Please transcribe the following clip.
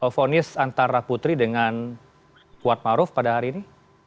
fonis antara putri dengan kuat maruf pada hari ini